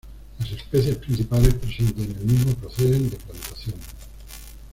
Las especies principales presentes en el mismo proceden de plantación.